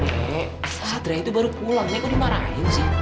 nenek satria itu baru pulang nenek kok dimarahin sih